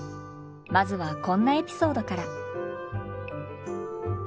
まずはこんなエピソードから。